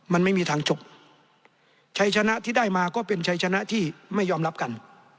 มันไม่มีทางจบชัยชนะที่ได้มาก็เป็นชัยชนะที่ไม่ยอมรับกัน